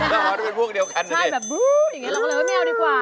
ถ้าหอนไม่เป็นพวกเดียวกันแบบบู๊อย่างนี้เราก็เลยไม่เอาดีกว่า